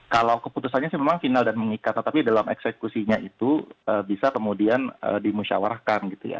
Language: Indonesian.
kalau keputusannya sih memang final dan mengikat tetapi dalam eksekusinya itu bisa kemudian dimusyawarahkan gitu ya